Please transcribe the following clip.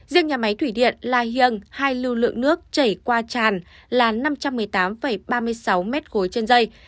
riêng nhà máy thủy điện la hiêng hai lưu lượng nước chảy qua tràn là năm trăm một mươi tám ba mươi sáu m ba trên dây